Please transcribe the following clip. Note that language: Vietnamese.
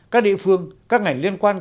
các địa phương các ngành liên quan